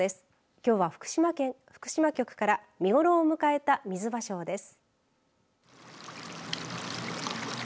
きょうは福島局から見頃を迎えたみずばしょうです。